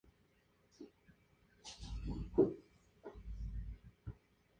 El equipo se cambió a "Unity" para simplificar su desarrollo.